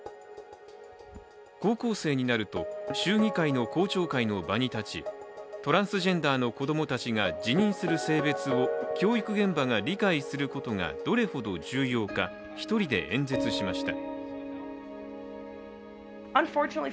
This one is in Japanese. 高校生になると、州議会の公聴会の場に立ちトランスジェンダーの子供達が自認する性別を教育現場が理解することがどれほど重要か１人で演説しました。